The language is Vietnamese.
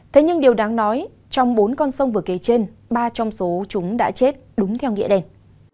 thế nhưng điều đáng nói trong bốn con sông vừa kế trên ba trong số chúng đã chết đúng theo nghĩa đen